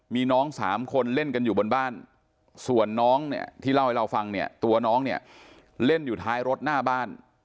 มีน้องสามคนเล่นกันอยู่บนบ้านส่วนน้องเนี่ยที่เล่าให้เราฟังเนี่ยตัวน้องเนี่ยเล่นอยู่ท้ายรถหน้าบ้าน